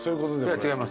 違います